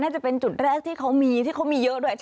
จะเป็นจุดแรกที่เขามีที่เขามีเยอะด้วยใช่ไหม